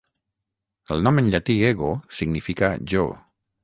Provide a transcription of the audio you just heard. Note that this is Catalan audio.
El nom en llatí ego significa "jo".